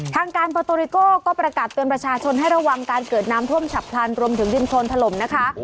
ทางการประตูริโก้ก็ประกาศเตือนประชาชนให้ระวังการเกิดน้ำท่วมฉับพลันรวมถึงดินโครนถล่มนะคะ